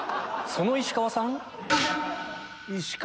その石川さん？